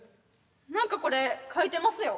何かこれ書いてますよ。